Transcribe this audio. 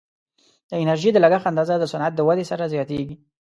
د انرژي د لګښت اندازه د صنعت د ودې سره زیاتیږي.